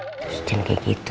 terus jangan kayak gitu